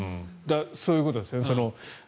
そういうことですね。